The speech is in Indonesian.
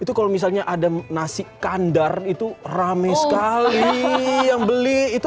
itu kalau misalnya ada nasi kandar itu rame sekali yang beli itu